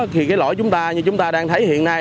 thì lỗi chúng ta đang thấy hiện nay